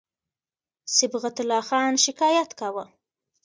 صبغت الله خان شکایت کاوه.